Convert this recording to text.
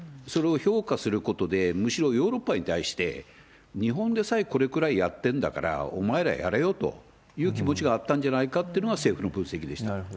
それを評価することで、むしろヨーロッパに対して、日本でさえこれくらいやってるんだから、お前らやれよという気持ちがあったんじゃないかっていうのが、政なるほど。